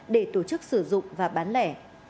để tổ chức sử dụng và bán lẻ